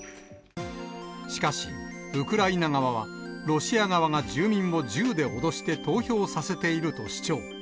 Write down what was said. しかし、ウクライナ側は、ロシア側が住民を銃で脅して投票させていると主張。